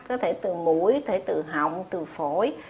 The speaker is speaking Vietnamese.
có thể từ mũi có thể từ hộng có thể từ phổi